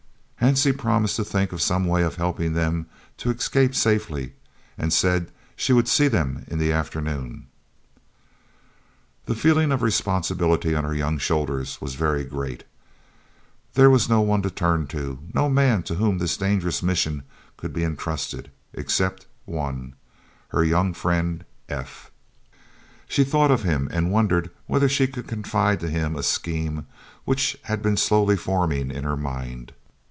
Hansie promised to think of some way of helping them to escape safely, and said she would see them in the afternoon. The feeling of responsibility on her young shoulders was very great. There was no one to turn to, no man to whom this dangerous mission could be entrusted, except one, her young friend, F. She thought of him and wondered whether she could confide to him a scheme which had been slowly forming in her mind.